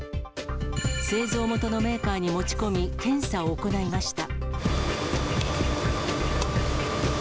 製造元のメーカーに持ち込み、検査を行いました。